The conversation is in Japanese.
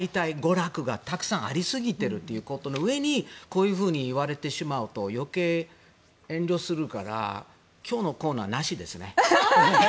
今は恋愛の奪う競争が媒体、娯楽がたくさんありすぎているうえにこういうふうに言われてしまうと余計、遠慮するから今日のコーナーはなしですね。